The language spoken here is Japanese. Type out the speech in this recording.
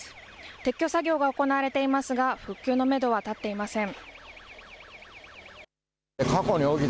撤去作業が行われていますが復旧のめどは立っていません。